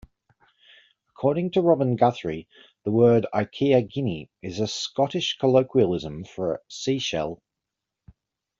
According to Robin Guthrie, the word "aikea-guinea" is a Scottish colloquialism for a seashell.